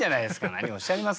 何をおっしゃいますやら。